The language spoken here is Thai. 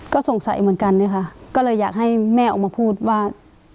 ก็สงสัยเหมือนกันนะคะก็เลยอยากให้แม่ออกมาพูดว่า